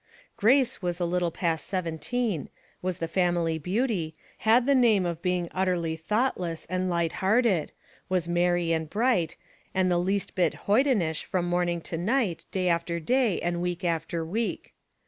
Grace was a little past seventeen, was the family beauty, had the name of being utterly thoughtless and light hearted, was merry and bright, and the least bit hoydenish from morning to night, day after day, and week after week.